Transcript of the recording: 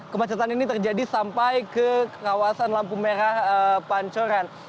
kemacetan ini terjadi sampai ke kawasan lampu merah pancoran